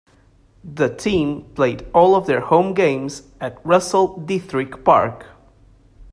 The team played all of their home games at Russell Diethrick Park.